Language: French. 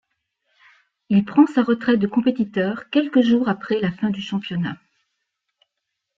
Il prend sa retraite de compétiteur quelques jours après la fin du championnat.